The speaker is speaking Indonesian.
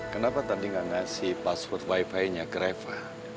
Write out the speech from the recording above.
kenapa tadi nggak ngasih password wifi nya ke reva